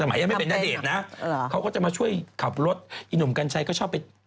หมายยังไม่เป็นณเดชน์นะเขาก็จะมาช่วยขับรถอีหนุ่มกัญชัยก็ชอบไป